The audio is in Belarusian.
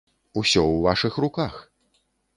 Усё ў вашых руках!